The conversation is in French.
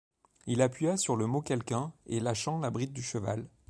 Il appuya sur le mot quelqu’un, et lâchant la bride du cheval :